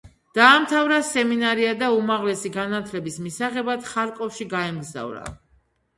დაამთავრა სემინარია და უმაღლესი განათლების მისაღებად ხარკოვში გაემგზავრა.